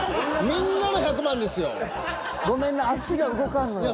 みんなの１００万なのに。